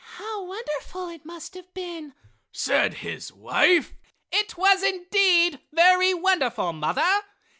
"How wonderful it must have been!" said his wife. "It was indeed very wonderful, mother.